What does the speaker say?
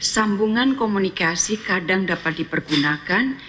sambungan komunikasi kadang dapat dipergunakan